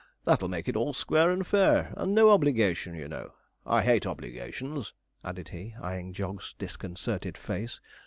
That'll make it all square and fair, and no obligation, you know. I hate obligations,' added he, eyeing Jog's disconcerted face.